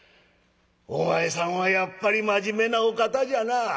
お前さんはやっぱり真面目なお方じゃなあ。